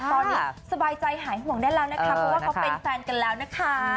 ตอนนี้สบายใจหายห่วงได้แล้วนะคะเพราะว่าเขาเป็นแฟนกันแล้วนะคะ